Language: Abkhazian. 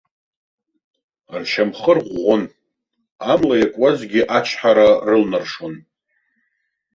Ршьамхы арӷәӷәон, амла иакуазгьы ачҳара рылнаршон.